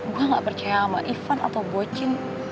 gue gak percaya sama ivan atau bocin